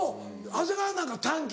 長谷川なんか短気？